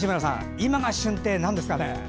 今が旬ってなんですかね？